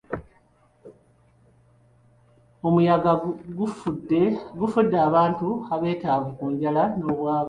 Omuyaga gufudde bantu abeetaavu ku njala n'obwavu.